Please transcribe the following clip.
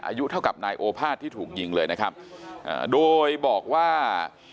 อายุเท่ากับนายโอภาษที่ถูกยิงเลยนะครับอ่าโดยบอกว่า